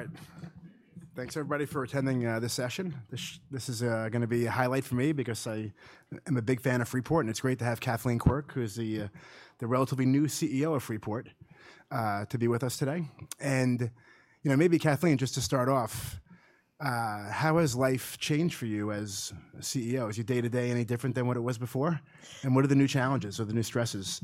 All right. Thanks, everybody, for attending, this session. This is gonna be a highlight for me because I am a big fan of Freeport, and it's great to have Kathleen Quirk, who is the relatively new CEO of Freeport, to be with us today. And, you know, maybe Kathleen, just to start off, how has life changed for you as CEO? Is your day-to-day any different than what it was before? And what are the new challenges or the new stresses?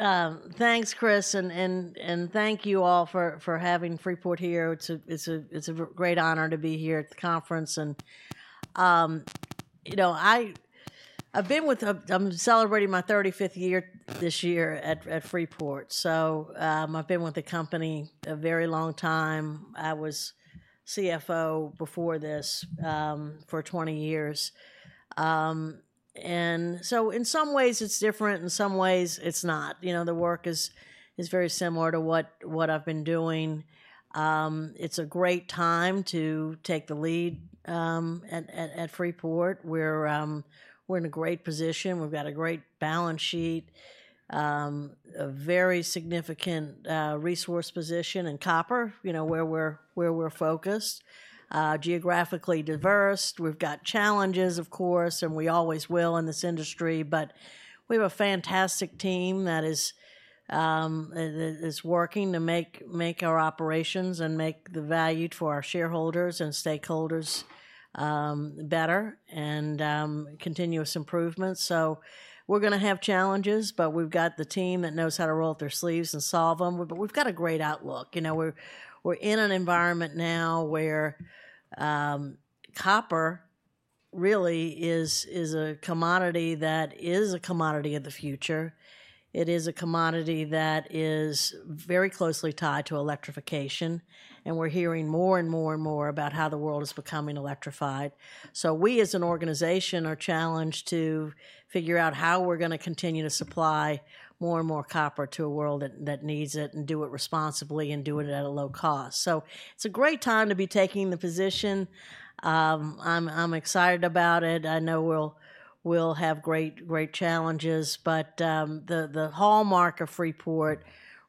Thanks, Chris, and thank you all for having Freeport here. It's a great honor to be here at the conference, and you know, I'm celebrating my thirty-fifth year this year at Freeport. So, I've been with the company a very long time. I was CFO before this for twenty years. And so in some ways, it's different, in some ways it's not. You know, the work is very similar to what I've been doing. It's a great time to take the lead at Freeport. We're in a great position. We've got a great balance sheet, a very significant resource position in copper, you know, where we're focused, geographically diverse. We've got challenges, of course, and we always will in this industry, but we have a fantastic team that is working to make our operations and make the value for our shareholders and stakeholders better and continuous improvement, so we're gonna have challenges, but we've got the team that knows how to roll up their sleeves and solve them, but we've got a great outlook. You know, we're in an environment now where copper really is a commodity that is a commodity of the future. It is a commodity that is very closely tied to electrification, and we're hearing more and more and more about how the world is becoming electrified. So we, as an organization, are challenged to figure out how we're gonna continue to supply more and more copper to a world that needs it and do it responsibly and do it at a low cost. So it's a great time to be taking the position. I'm excited about it. I know we'll have great challenges, but the hallmark of Freeport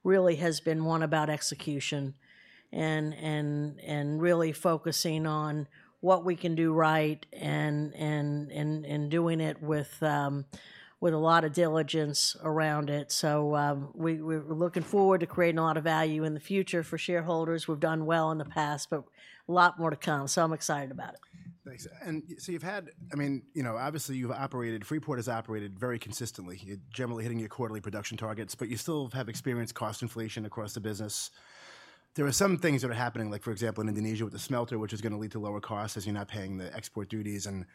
really has been one about execution and really focusing on what we can do right and doing it with a lot of diligence around it. So we're looking forward to creating a lot of value in the future for shareholders. We've done well in the past, but a lot more to come, so I'm excited about it. Thanks. And so you've had, I mean, you know, obviously, you've operated, Freeport has operated very consistently, generally hitting your quarterly production targets, but you still have experienced cost inflation across the business. There are some things that are happening, like, for example, in Indonesia with the smelter, which is gonna lead to lower costs as you're not paying the export duties and,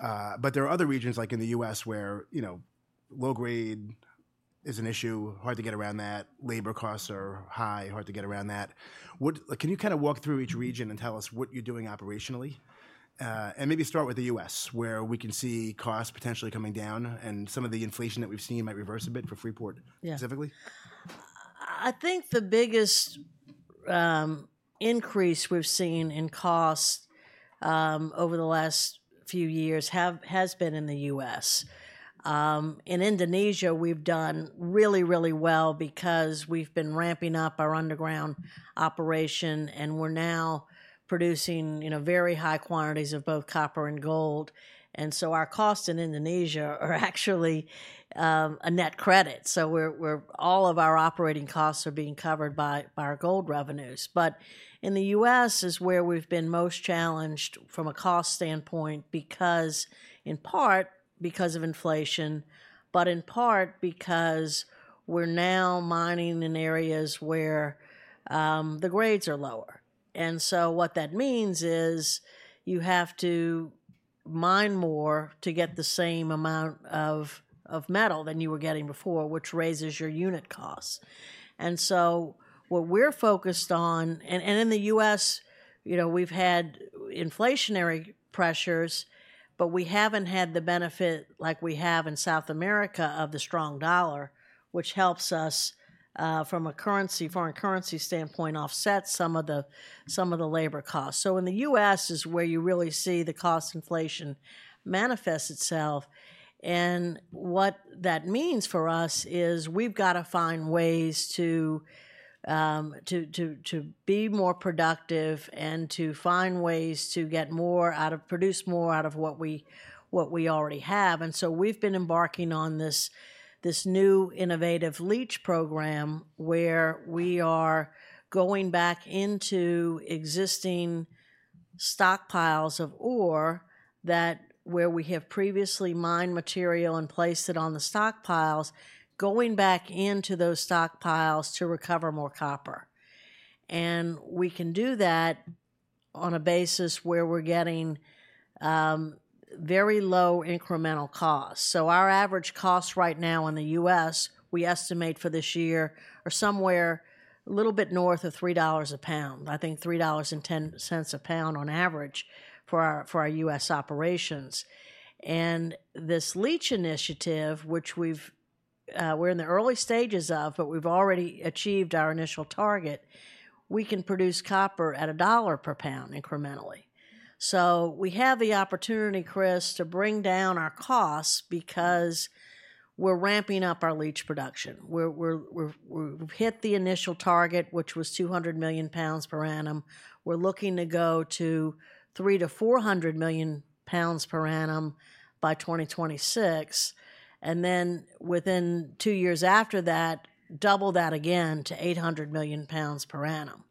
but there are other regions, like in the U.S., where, you know, low grade is an issue, hard to get around that. Labor costs are high, hard to get around that. Can you kind of walk through each region and tell us what you're doing operationally? And maybe start with the U.S., where we can see costs potentially coming down and some of the inflation that we've seen might reverse a bit for Freeport- Yeah... specifically. I think the biggest increase we've seen in costs over the last few years have, has been in the U.S. In Indonesia, we've done really, really well because we've been ramping up our underground operation, and we're now producing, you know, very high quantities of both copper and gold, and so our costs in Indonesia are actually a net credit. So we're all of our operating costs are being covered by our gold revenues. But in the U.S. is where we've been most challenged from a cost standpoint, because in part, because of inflation, but in part because we're now mining in areas where the grades are lower. And so what that means is you have to mine more to get the same amount of metal than you were getting before, which raises your unit costs. And so what we're focused on... In the U.S., you know, we've had inflationary pressures, but we haven't had the benefit like we have in South America of the strong dollar, which helps us from a currency, foreign currency standpoint, offset some of the labor costs. So in the U.S. is where you really see the cost inflation manifest itself, and what that means for us is we've got to find ways to be more productive and to find ways to get more out of, produce more out of what we already have, so we've been embarking on this new innovative leach program, where we are going back into existing stockpiles of ore that, where we have previously mined material and placed it on the stockpiles, going back into those stockpiles to recover more copper. And we can do that on a basis where we're getting very low incremental cost. So our average cost right now in the U.S., we estimate for this year, are somewhere a little bit north of $3 a pound. I think $3.10 a pound on average for our U.S. operations. And this leach initiative, which we're in the early stages of, but we've already achieved our initial target. We can produce copper at $1 per pound incrementally. So we have the opportunity, Chris, to bring down our costs because we're ramping up our leach production. We're ramping up our leach production. We've hit the initial target, which was 200 million pounds per annum. We're looking to go to 300-400 million pounds per annum by 2026, and then within two years after that, double that again to 800 million pounds per annum.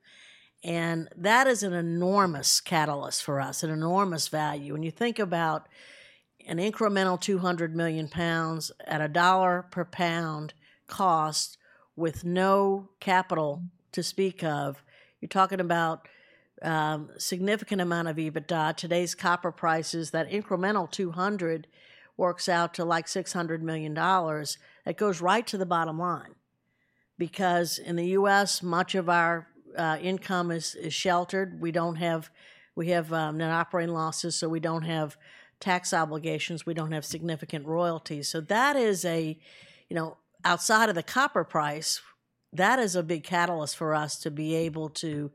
And that is an enormous catalyst for us, an enormous value. When you think about an incremental 200 million pounds at $1 per pound cost with no capital to speak of, you're talking about significant amount of EBITDA. Today's copper prices, that incremental 200 works out to, like, $600 million. That goes right to the bottom line, because in the U.S., much of our income is sheltered. We have net operating losses, so we don't have tax obligations. We don't have significant royalties. So that is a, you know, outside of the copper price, that is a big catalyst for us to be able to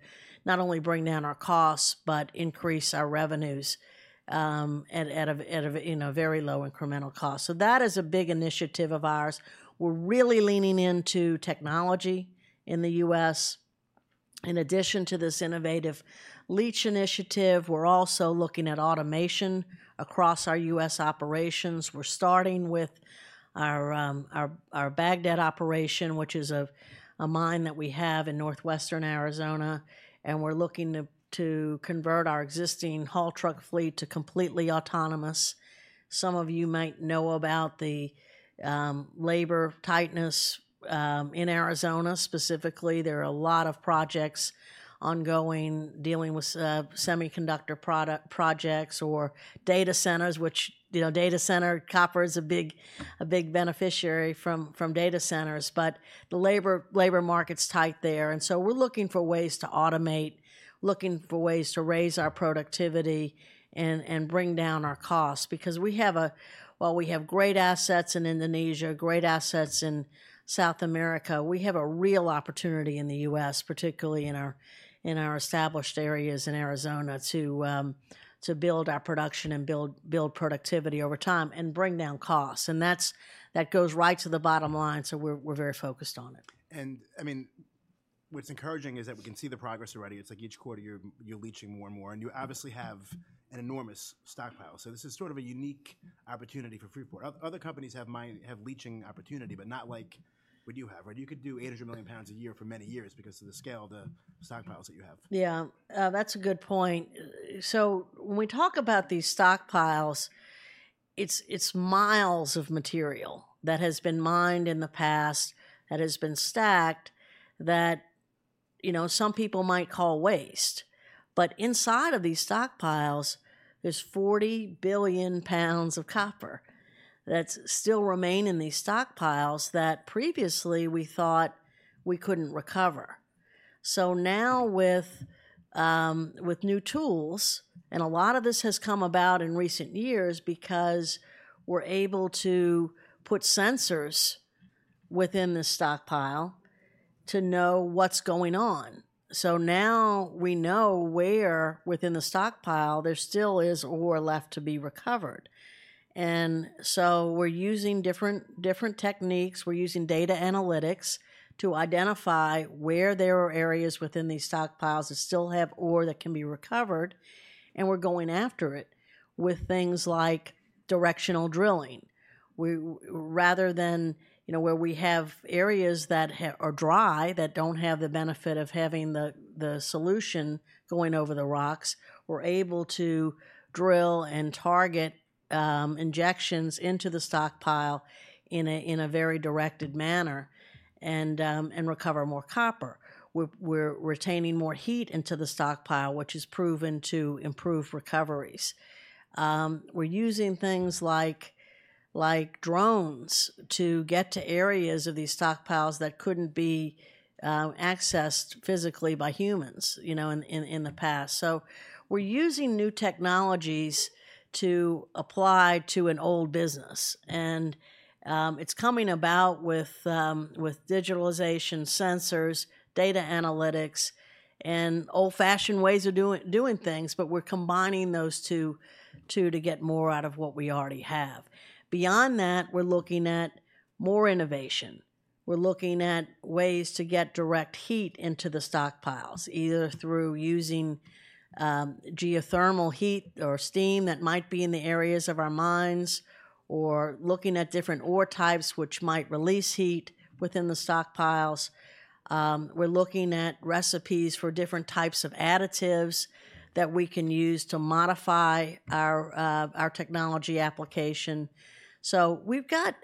not only bring down our costs, but increase our revenues, at a you know very low incremental cost. So that is a big initiative of ours. We're really leaning into technology in the U.S. In addition to this innovative leach initiative, we're also looking at automation across our U.S. operations. We're starting with our Bagdad operation, which is a mine that we have in northwestern Arizona, and we're looking to convert our existing haul truck fleet to completely autonomous. Some of you might know about the labor tightness in Arizona specifically. There are a lot of projects ongoing, dealing with semiconductor projects or data centers, which, you know, copper is a big beneficiary from data centers, but the labor market's tight there, and so we're looking for ways to automate, looking for ways to raise our productivity and bring down our costs, because while we have great assets in Indonesia, great assets in South America, we have a real opportunity in the U.S., particularly in our established areas in Arizona, to build our production and build productivity over time and bring down costs. And that goes right to the bottom line, so we're very focused on it. I mean, what's encouraging is that we can see the progress already. It's like each quarter, you're leaching more and more, and you obviously have an enormous stockpile. So this is sort of a unique opportunity for Freeport. Other companies have leaching opportunity, but not like what you have. Right, you could do 800 million pounds a year for many years because of the scale of the stockpiles that you have. Yeah, that's a good point, so when we talk about these stockpiles, it's miles of material that has been mined in the past, that has been stacked, that, you know, some people might call waste, but inside of these stockpiles, there's 40 billion pounds of copper that still remain in these stockpiles that previously we thought we couldn't recover, so now with new tools, and a lot of this has come about in recent years because we're able to put sensors within the stockpile to know what's going on, so now we know where within the stockpile there still is ore left to be recovered, and so we're using different techniques. We're using data analytics to identify where there are areas within these stockpiles that still have ore that can be recovered, and we're going after it with things like directional drilling, where rather than, you know, where we have areas that are dry, that don't have the benefit of having the solution going over the rocks, we're able to drill and target injections into the stockpile in a very directed manner and recover more copper. We're retaining more heat into the stockpile, which is proven to improve recoveries. We're using things like drones to get to areas of these stockpiles that couldn't be accessed physically by humans, you know, in the past. We're using new technologies to apply to an old business, and it's coming about with digitalization, sensors, data analytics, and old-fashioned ways of doing things, but we're combining those two to get more out of what we already have. Beyond that, we're looking at more innovation. We're looking at ways to get direct heat into the stockpiles, either through using geothermal heat or steam that might be in the areas of our mines, or looking at different ore types which might release heat within the stockpiles. We're looking at recipes for different types of additives that we can use to modify our technology application. So we've got...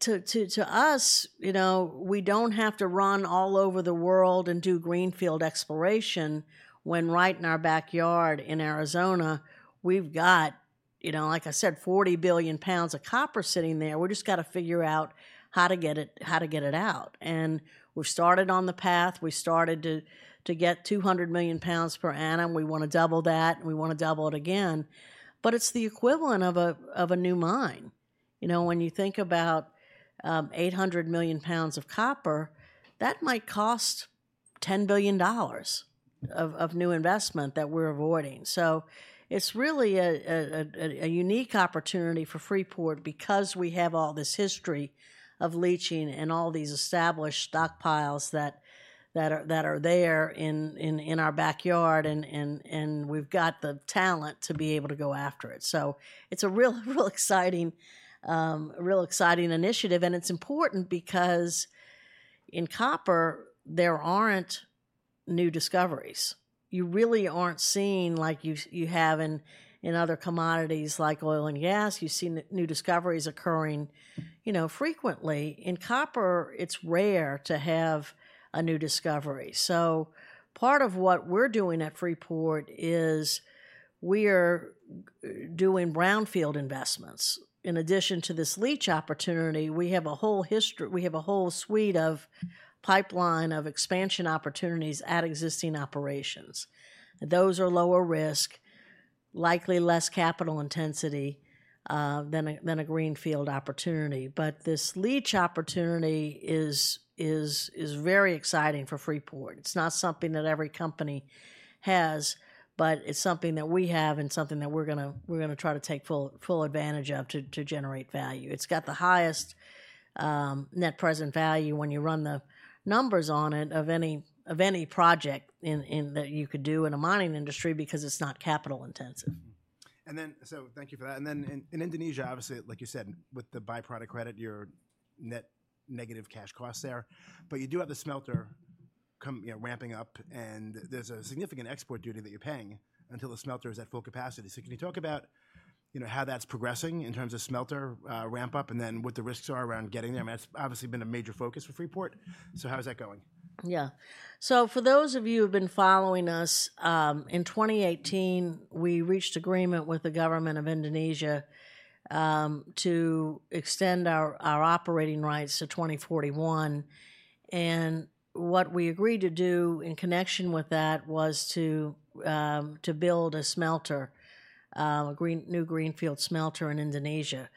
To us, you know, we don't have to run all over the world and do greenfield exploration when right in our backyard in Arizona, we've got, you know, like I said, forty billion pounds of copper sitting there. We've just got to figure out how to get it, how to get it out. And we've started on the path. We started to get two hundred million pounds per annum. We wanna double that, and we wanna double it again. But it's the equivalent of a new mine. You know, when you think about eight hundred million pounds of copper, that might cost $10 billion of new investment that we're avoiding. So it's really a unique opportunity for Freeport because we have all this history of leaching and all these established stockpiles that are there in our backyard, and we've got the talent to be able to go after it. So it's a real exciting initiative, and it's important because in copper, there aren't new discoveries. You really aren't seeing like you have in other commodities like oil and gas, you've seen new discoveries occurring, you know, frequently. In copper, it's rare to have a new discovery. So part of what we're doing at Freeport is we are doing brownfield investments. In addition to this leach opportunity, we have a whole suite of pipeline, of expansion opportunities at existing operations. Those are lower risk, likely less capital intensity than a greenfield opportunity. But this leach opportunity is very exciting for Freeport. It's not something that every company has, but it's something that we have and something that we're gonna try to take full advantage of to generate value. It's got the highest net present value when you run the numbers on it, of any project that you could do in the mining industry because it's not capital intensive. Mm-hmm. And then, so thank you for that. And then in Indonesia, obviously, like you said, with the byproduct credit, your net negative cash costs there, but you do have the smelter coming, you know, ramping up, and there's a significant export duty that you're paying until the smelter is at full capacity. So can you talk about, you know, how that's progressing in terms of smelter ramp-up, and then what the risks are around getting there? I mean, that's obviously been a major focus for Freeport, so how is that going? Yeah. So for those of you who've been following us, in 2018, we reached agreement with the government of Indonesia, to extend our operating rights to 2041. And what we agreed to do in connection with that was to build a smelter, a new greenfield smelter in Indonesia.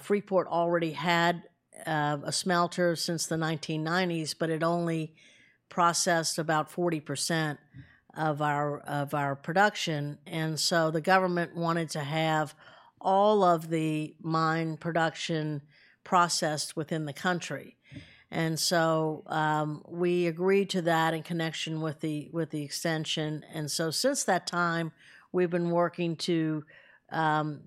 Freeport already had a smelter since the 1990s, but it only processed about 40% of our production, and so the government wanted to have all of the mine production processed within the country. And so, we agreed to that in connection with the extension, and so since that time, we've been working to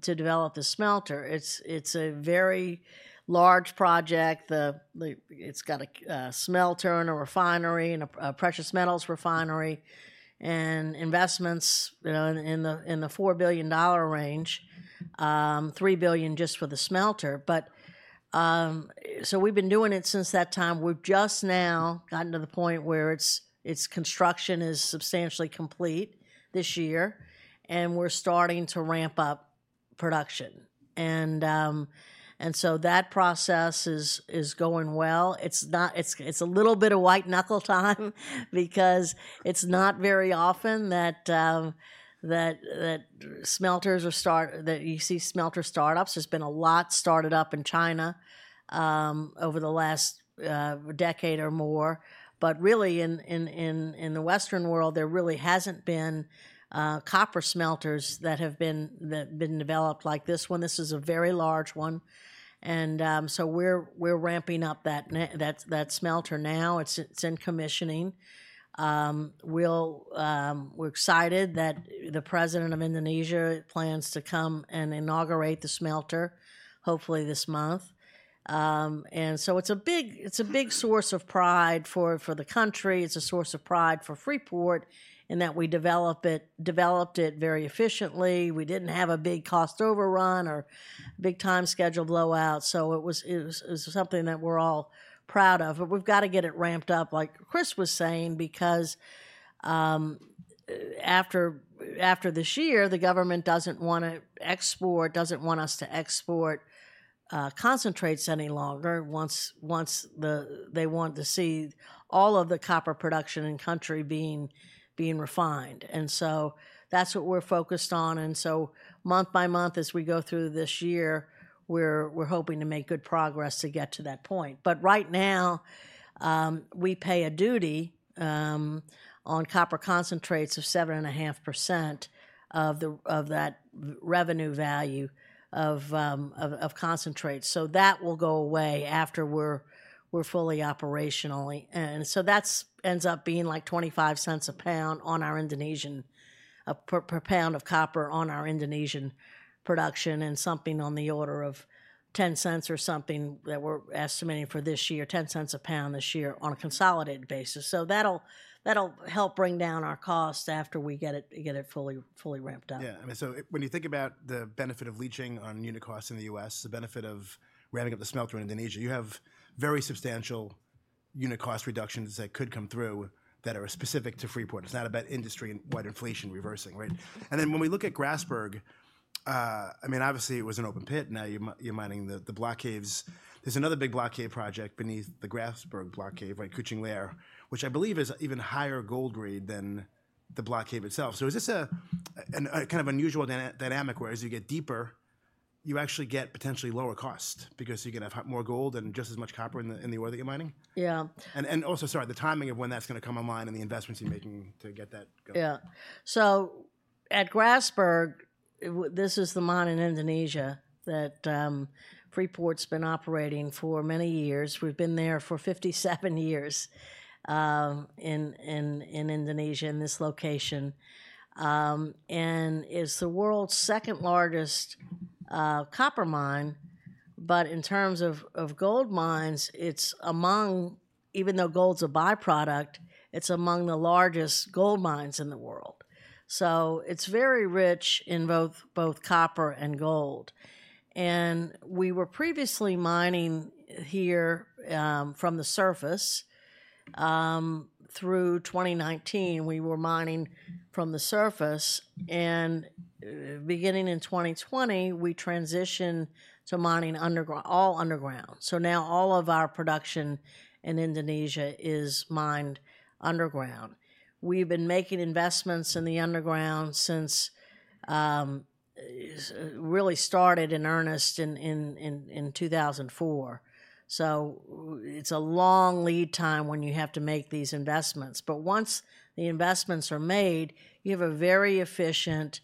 develop the smelter. It's a very large project. The... It's got a smelter and a refinery and a precious metals refinery and investments, you know, in the $4 billion range, $3 billion just for the smelter. But so we've been doing it since that time. We've just now gotten to the point where its construction is substantially complete this year, and we're starting to ramp up production. And so that process is going well. It's not. It's a little bit of white-knuckle time because it's not very often that you see smelter startups. There's been a lot started up in China over the last decade or more, but really in the Western world, there really hasn't been copper smelters that have been developed like this one. This is a very large one, and so we're ramping up that smelter now. It's in commissioning. We're excited that the president of Indonesia plans to come and inaugurate the smelter, hopefully this month, and so it's a big source of pride for the country. It's a source of pride for Freeport in that we developed it very efficiently. We didn't have a big cost overrun or big-time schedule blowouts, so it was something that we're all proud of. But we've got to get it ramped up, like Chris was saying, because after this year, the government doesn't want to export, doesn't want us to export concentrates any longer, once the. They want to see all of the copper production in country being refined. And so that's what we're focused on. And so month by month, as we go through this year, we're hoping to make good progress to get to that point. But right now, we pay a duty on copper concentrates of 7.5% of that revenue value of concentrate. So that will go away after we're fully operationally. That ends up being, like, $0.25 a pound on our Indonesian per pound of copper on our Indonesian production, and something on the order of $0.10 or something that we're estimating for this year, $0.10 a pound this year on a consolidated basis. That'll help bring down our costs after we get it fully ramped up. Yeah. I mean, so when you think about the benefit of leaching on unit costs in the U.S., the benefit of ramping up the smelter in Indonesia, you have very substantial unit cost reductions that could come through that are specific to Freeport. It's not about industry-wide inflation reversing, right? And then when we look at Grasberg, I mean, obviously, it was an open pit, now you're mining the block caves. There's another big block cave project beneath the Grasberg Block Cave, like Kucing Liar, which I believe is even higher gold grade than the block cave itself. So is this a kind of unusual dynamic, where as you get deeper, you actually get potentially lower cost because you're gonna have more gold and just as much copper in the ore that you're mining? Yeah. Also, sorry, the timing of when that's gonna come online and the investments you're making to get that going. Yeah. So at Grasberg, this is the mine in Indonesia that Freeport's been operating for many years. We've been there for 57 years in Indonesia, in this location. And it's the world's second-largest copper mine, but in terms of gold mines, it's among even though gold's a by-product, it's among the largest gold mines in the world. So it's very rich in both copper and gold. And we were previously mining here from the surface. Through 2019, we were mining from the surface, and beginning in 2020, we transitioned to mining underground all underground. So now all of our production in Indonesia is mined underground. We've been making investments in the underground since it really started in earnest in 2004. So it's a long lead time when you have to make these investments, but once the investments are made, you have a very efficient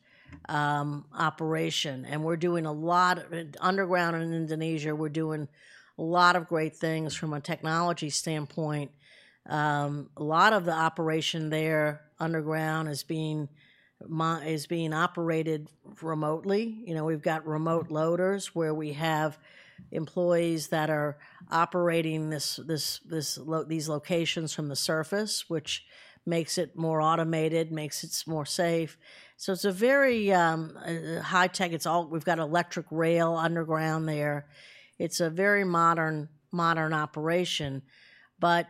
operation. And we're doing a lot. Underground in Indonesia, we're doing a lot of great things from a technology standpoint. A lot of the operation there underground is being operated remotely. You know, we've got remote loaders, where we have employees that are operating these loaders from the surface, which makes it more automated, makes it more safe. So it's a very high-tech. It's all. We've got electric rail underground there. It's a very modern operation. But,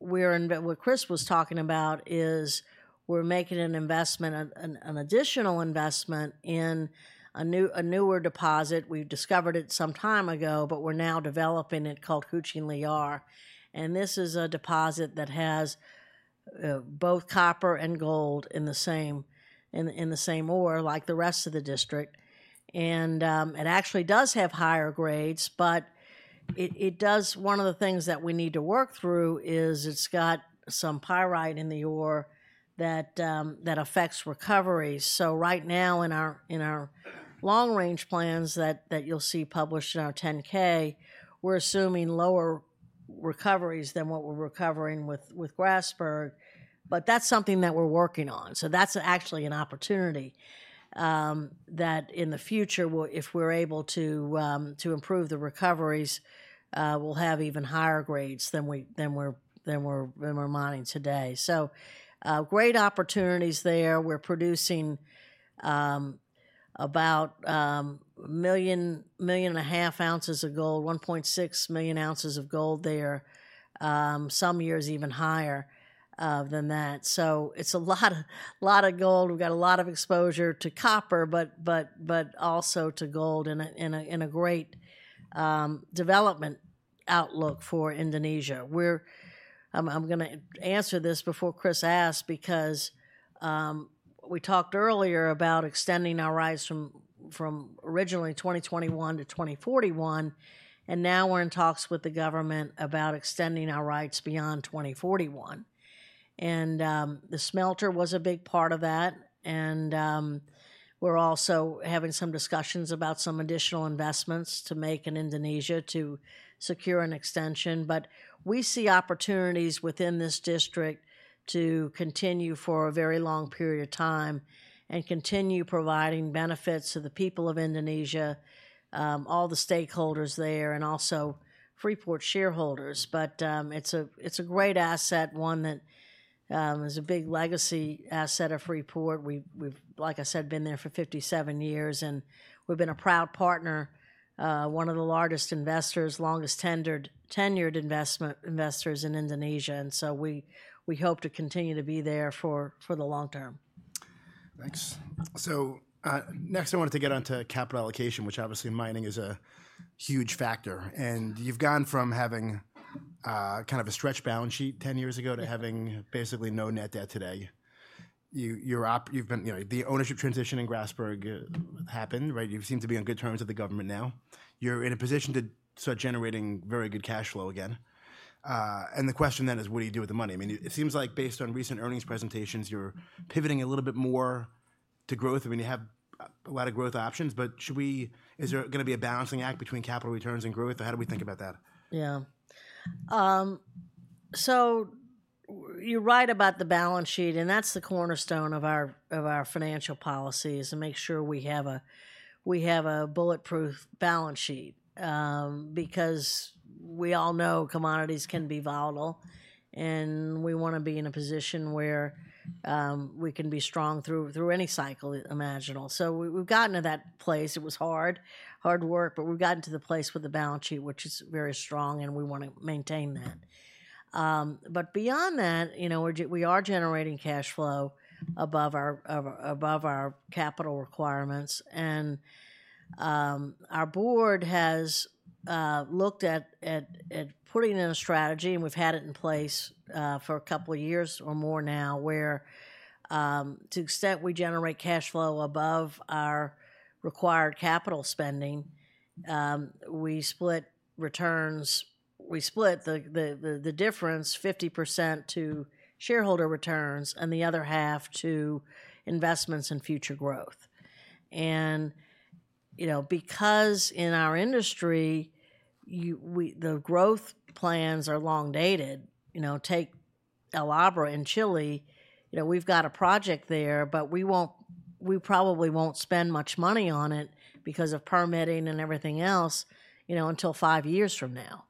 we're in. What Chris was talking about is we're making an investment, an additional investment in a newer deposit. We discovered it some time ago, but we're now developing it, called Kucing Liar. This is a deposit that has both copper and gold in the same ore, like the rest of the district, and it actually does have higher grades, but it does. One of the things that we need to work through is it's got some pyrite in the ore that affects recovery. So right now, in our long-range plans that you'll see published in our 10-K, we're assuming lower recoveries than what we're recovering with Grasberg, but that's something that we're working on. So that's actually an opportunity that in the future, if we're able to improve the recoveries, we'll have even higher grades than we're mining today. So great opportunities there. We're producing about a million and a half ounces of gold, 1.6 million ounces of gold there, some years even higher than that. So it's a lot of gold. We've got a lot of exposure to copper, but also to gold in a great development outlook for Indonesia. I'm gonna answer this before Chris asks, because we talked earlier about extending our rights from originally 2021 to 2041, and now we're in talks with the government about extending our rights beyond 2041, and the smelter was a big part of that, and we're also having some discussions about some additional investments to make in Indonesia to secure an extension. But we see opportunities within this district to continue for a very long period of time and continue providing benefits to the people of Indonesia, all the stakeholders there, and also Freeport shareholders, but it's a great asset, one that is a big legacy asset of Freeport. We've, like I said, been there for fifty-seven years, and we've been a proud partner, one of the largest investors, longest-tenured investors in Indonesia, and so we hope to continue to be there for the long term. Thanks. So, next, I wanted to get onto capital allocation, which obviously mining is a huge factor. And you've gone from having kind of a stretched balance sheet ten years ago to having basically no net debt today. You've been. You know, the ownership transition in Grasberg happened, right? You seem to be on good terms with the government now. You're in a position to start generating very good cash flow again. And the question then is, what do you do with the money? I mean, it seems like based on recent earnings presentations, you're pivoting a little bit more to growth. I mean, you have a lot of growth options, but should we? Is there gonna be a balancing act between capital returns and growth, or how do we think about that? Yeah. So you're right about the balance sheet, and that's the cornerstone of our financial policy, is to make sure we have a bulletproof balance sheet. Because we all know commodities can be volatile, and we wanna be in a position where we can be strong through any cycle imaginable. So we've gotten to that place. It was hard work, but we've gotten to the place with the balance sheet, which is very strong, and we wanna maintain that. But beyond that, you know, we are generating cash flow above our capital requirements. Our board has looked at putting in a strategy, and we've had it in place for a couple of years or more now, where to the extent we generate cash flow above our required capital spending, we split returns. We split the difference, 50% to shareholder returns and the other half to investments in future growth. You know, because in our industry, the growth plans are long dated. You know, take El Abra in Chile, you know, we've got a project there, but we probably won't spend much money on it because of permitting and everything else, you know, until five years from now.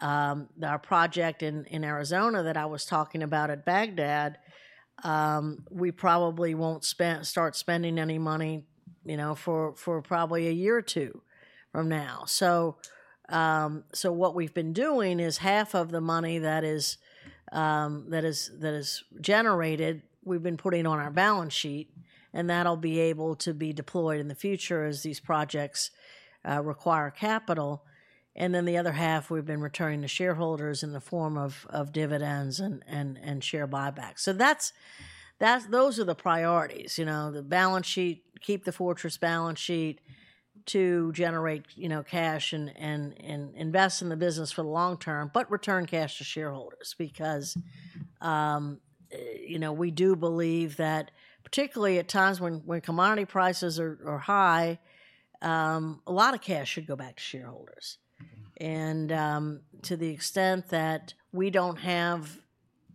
Our project in Arizona that I was talking about at Bagdad, we probably won't start spending any money, you know, for probably a year or two from now. So what we've been doing is half of the money that is generated, we've been putting on our balance sheet, and that'll be able to be deployed in the future as these projects require capital. And then the other half, we've been returning to shareholders in the form of dividends and share buybacks. So that's... Those are the priorities, you know, the balance sheet, keep the fortress balance sheet to generate, you know, cash and invest in the business for the long term, but return cash to shareholders because, you know, we do believe that particularly at times when commodity prices are high, a lot of cash should go back to shareholders. And to the extent that we don't have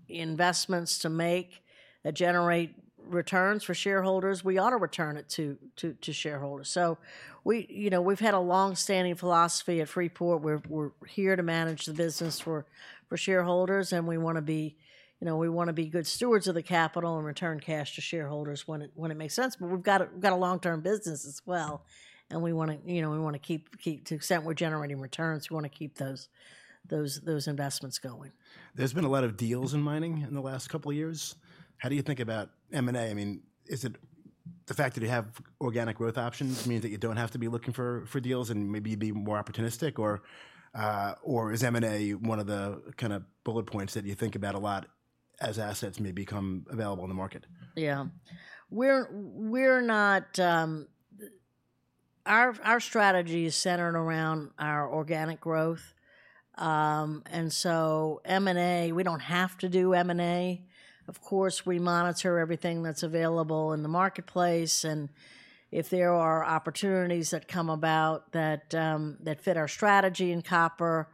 investments to make that generate returns for shareholders, we ought to return it to shareholders. So we, you know, we've had a long-standing philosophy at Freeport, where we're here to manage the business for shareholders, and we wanna be, you know, good stewards of the capital and return cash to shareholders when it makes sense. But we've got a long-term business as well, and we wanna, you know, keep to the extent we're generating returns, we wanna keep those investments going. There's been a lot of deals in mining in the last couple of years. How do you think about M&A? I mean, is it the fact that you have organic growth options mean that you don't have to be looking for deals and maybe be more opportunistic? Or, or is M&A one of the kinda bullet points that you think about a lot as assets may become available in the market? Yeah. We're not. Our strategy is centered around our organic growth. And so M&A, we don't have to do M&A. Of course, we monitor everything that's available in the marketplace, and if there are opportunities that come about that fit our strategy in copper,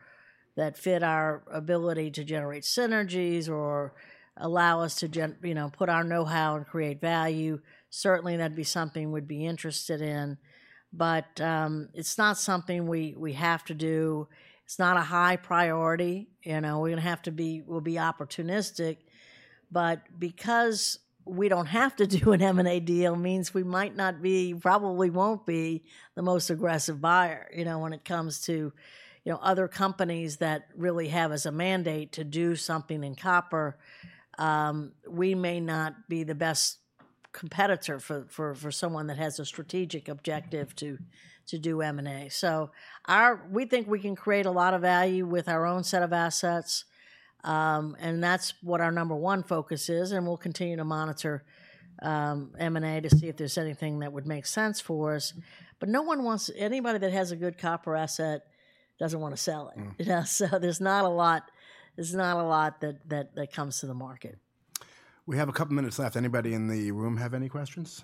that fit our ability to generate synergies or allow us to, you know, put our know-how and create value, certainly that'd be something we'd be interested in. But, it's not something we have to do. It's not a high priority. You know, we'll be opportunistic, but because we don't have to do an M&A deal, means we might not be, probably won't be the most aggressive buyer. You know, when it comes to, you know, other companies that really have as a mandate to do something in copper, we may not be the best competitor for someone that has a strategic objective to do M&A. So we think we can create a lot of value with our own set of assets, and that's what our number one focus is, and we'll continue to monitor M&A to see if there's anything that would make sense for us. But anybody that has a good copper asset doesn't wanna sell it. Mm. Yeah, so there's not a lot that comes to the market. We have a couple of minutes left. Anybody in the room have any questions?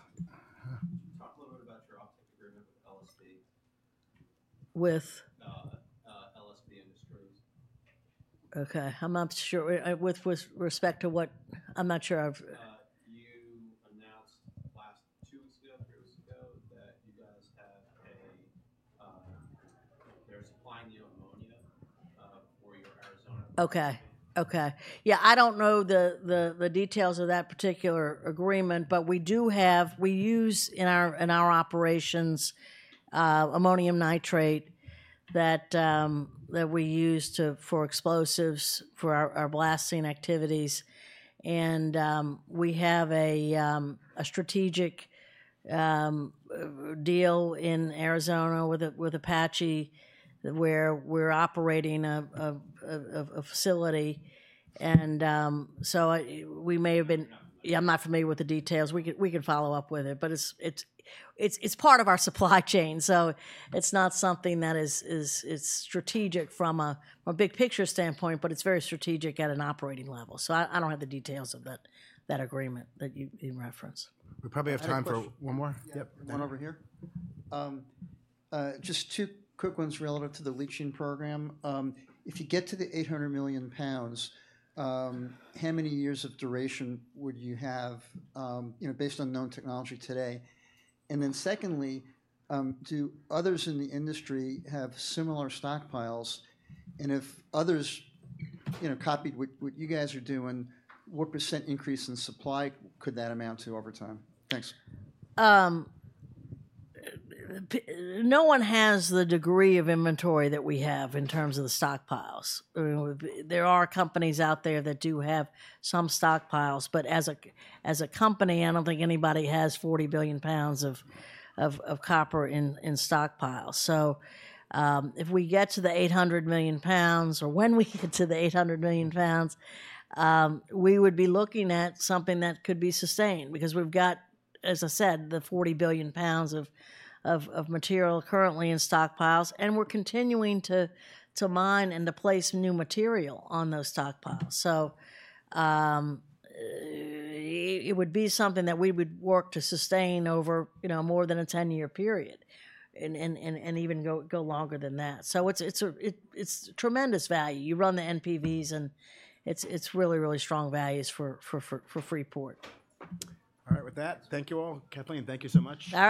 Talk a little bit about your offtake agreement with LSB. With? LSB Industries. Okay. I'm not sure. With respect to what? I'm not sure I've- You announced last two weeks ago, three weeks ago, that you guys had a they're supplying you ammonia for your Arizona Okay. Yeah, I don't know the details of that particular agreement, but we do have... We use in our operations ammonium nitrate that we use for explosives, for our blasting activities. And we have a strategic deal in Arizona with Apache, where we're operating a facility. And so we may have been- I'm not familiar. Yeah, I'm not familiar with the details. We can follow up with it, but it's part of our supply chain, so it's not something that is strategic from a big picture standpoint, but it's very strategic at an operating level. So I don't have the details of that agreement that you referenced. We probably have time for- I have a question.... one more? Yep. One over here. Just two quick ones relevant to the leaching program. If you get to the 800 million pounds, how many years of duration would you have, you know, based on known technology today? And then secondly, do others in the industry have similar stockpiles? And if others, you know, copied what you guys are doing, what % increase in supply could that amount to over time? Thanks. No one has the degree of inventory that we have in terms of the stockpiles. I mean, there are companies out there that do have some stockpiles, but as a company, I don't think anybody has forty billion pounds of copper in stockpile. So, if we get to the eight hundred million pounds, or when we get to the eight hundred million pounds, we would be looking at something that could be sustained, because we've got, as I said, the forty billion pounds of material currently in stockpiles, and we're continuing to mine and to place new material on those stockpiles. So, it would be something that we would work to sustain over, you know, more than a ten-year period, and even go longer than that. So it's a tremendous value. You run the NPVs, and it's really strong values for Freeport. All right, with that, thank you all. Kathleen, thank you so much.